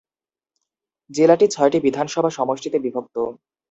জেলাটি ছয়টি বিধানসভা সমষ্টিতে বিভক্ত।